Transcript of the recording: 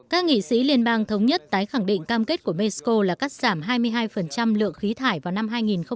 các nghị sĩ liên bang thống nhất tái khẳng định cam kết của mexico là cắt giảm hai mươi hai lượng khí thải vào năm hai nghìn hai mươi